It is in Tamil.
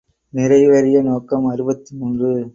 நிறைவேறிய நோக்கம் அறுபத்து மூன்று.